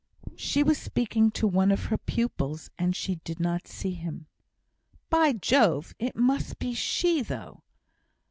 She was speaking to one of her pupils, and did not see him. By Jove! it must be she, though!